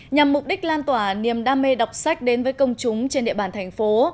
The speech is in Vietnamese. nhằm mục đích lan tỏa niềm đam mê đọc sách đến với công chúng trên địa bàn thành phố